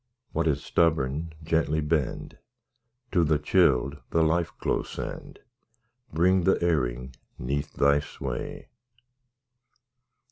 What is stubborn, gently bend; To the chilled the life glow send; Bring the erring 'neath Thy sway.